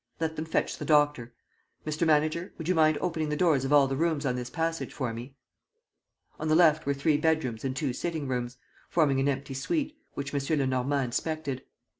Let them fetch the doctor. Mr. Manager, would you mind opening the doors of all the rooms on this passage for me?" On the left were three bedrooms and two sitting rooms, forming an empty suite, which M. Lenormand inspected.